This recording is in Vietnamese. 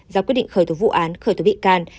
do quyết định khởi thuật vụ án khởi thuật bị can